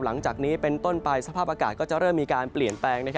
หลังจากนี้เป็นต้นไปสภาพอากาศก็จะเริ่มมีการเปลี่ยนแปลง